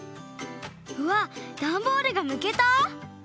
うわっダンボールがむけた？